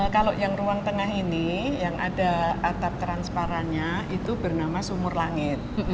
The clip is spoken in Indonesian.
kalau yang ruang tengah ini yang ada atap transparannya itu bernama sumur langit